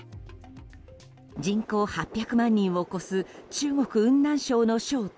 人口８００万人を超す中国・雲南省の省都